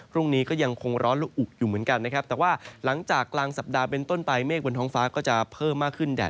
พรุ่งนี้ก็ยังคงร้อนและอุกอยู่เหมือนกันนะครับแต่ว่าหลังจากกลางสัปดาห์เป็นต้นไปเมฆบนท้องฟ้าก็จะเพิ่มมากขึ้นแดด